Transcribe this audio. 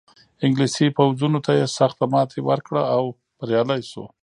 انګلیسي پوځونو ته یې سخته ماتې ورکړه او بریالی شو.